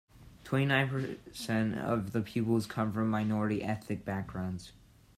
Twenty-nine per cent of the pupils come from minority ethnic backgrounds.